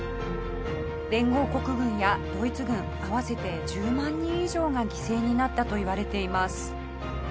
連合国軍やドイツ軍合わせて１０万人以上が犠牲になったといわれています。